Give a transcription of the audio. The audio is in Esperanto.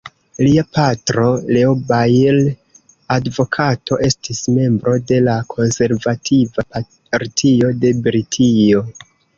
Lia patro, Leo Blair, advokato, estis membro de la Konservativa Partio de Britio.